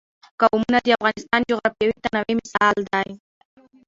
قومونه د افغانستان د جغرافیوي تنوع مثال دی.